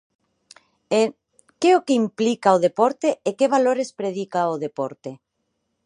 E ¿que é o que implica o deporte e que valores predica o deporte?